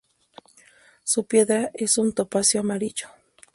Su piedra es un topacio amarillo.